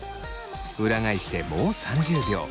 裏返してもう３０秒。